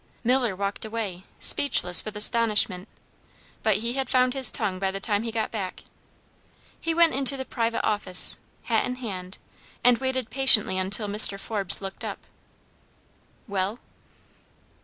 Miller walked away, speechless with astonishment, but he had found his tongue by the time he got back. He went into the private office, hat in hand, and waited patiently until Mr. Forbes looked up. "Well?"